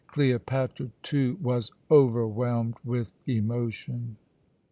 Cleopatra, too, was overwhelmed with emotion.